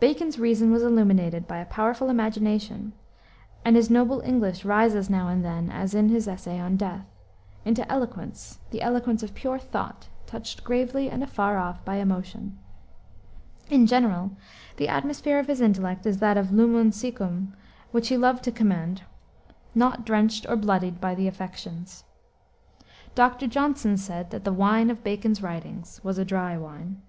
Bacon's reason was illuminated by a powerful imagination, and his noble English rises now and then, as in his essay On Death, into eloquence the eloquence of pure thought, touched gravely and afar off by emotion. In general, the atmosphere of his intellect is that lumen siccum which he loved to commend, "not drenched or bloodied by the affections." Dr. Johnson said that the wine of Bacon's writings was a dry wine.